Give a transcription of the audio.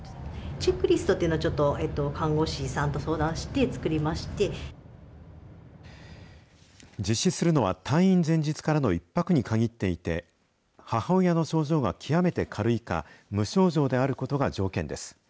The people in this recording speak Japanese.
チェックリストというのを、実施するのは、退院前日からの１泊に限っていて、母親の症状が極めて軽いか無症状であることが条件です。